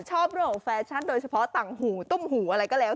ชอบเรื่องของแฟชั่นโดยเฉพาะต่างหูตุ้มหูอะไรก็แล้ว